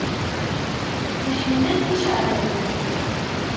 Nḥemmel ticeɛbanin.